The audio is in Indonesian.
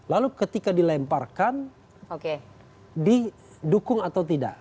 lalu ketika dilemparkan didukung atau tidak